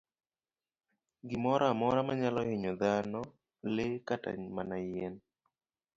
Gimoro amora manyalo hinyo dhano, le, kata mana yien.